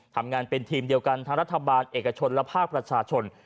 ทำงานเป็นทีมเดียวกันทั้งรัฐบาลเอกชนและภาคประชาชน